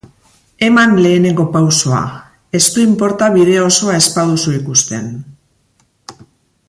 Eman lehenengo pausoa, ez du importa bide osoa ez baduzu ikusten.